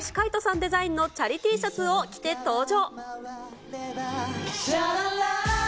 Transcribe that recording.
デザインのチャリＴシャツを着て登場。